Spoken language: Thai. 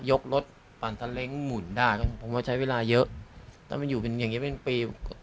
ยกรถปั่นตะเล้งหมุนได้ผมก็ใช้เวลาเยอะถ้ามันอยู่เป็นอย่างเงี้เป็นปี